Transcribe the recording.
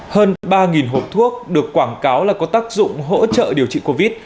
hơn ba hộp thuốc được quảng cáo là có tác dụng hỗ trợ điều trị covid